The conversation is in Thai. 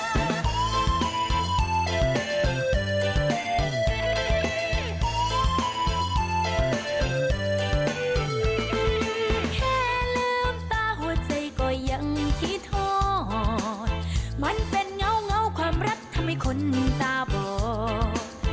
แค่ลืมตาหัวใจก็ยังที่ทอดมันเป็นเงาความรักทำให้คนตาบอก